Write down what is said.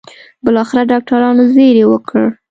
بالاخره ډاکټرانو زېری وکړ.